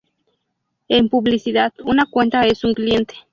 En publicidad una cuenta es un cliente.